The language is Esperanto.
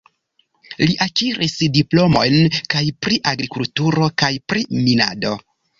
Li akiris diplomojn kaj pri agrikulturo kaj pri minado.